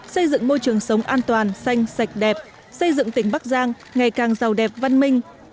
xây dựng môi trường sống an toàn xanh sạch đẹp xây dựng tỉnh bắc giang ngày càng giàu đẹp văn minh